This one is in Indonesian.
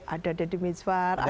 ada di miswar